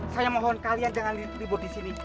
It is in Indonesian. saya mohon kalian jangan dibawa disini